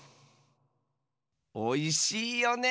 おいしいよねえ。